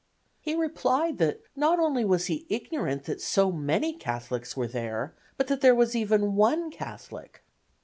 He replied that not only was he ignorant that so many Catholics were there, but that there was even one Catholic.